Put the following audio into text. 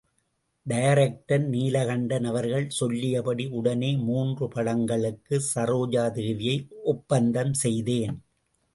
Director Neelakantan அவர்கள் சொல்லியபடி உடனே மூன்று படங்களுக்கு சரோஜாதேவியை ஒப்பந்தம் செய்தேன்.